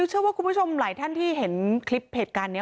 เชื่อว่าคุณผู้ชมหลายท่านที่เห็นคลิปเหตุการณ์นี้